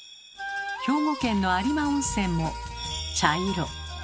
兵庫県の有馬温泉も茶色。